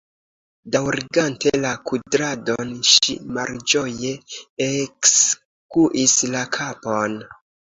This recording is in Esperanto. Daŭrigante la kudradon, ŝi malĝoje ekskuis la kapon.